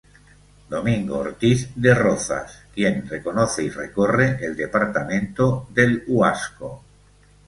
Domingo Ortiz de Rozas, quien reconoce y recorre el departamento del Huasco.